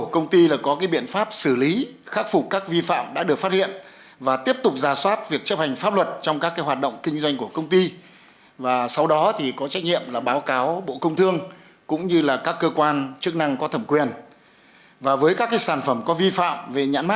công ty khắc phục các vi phạm này trước khi đưa vào lưu thông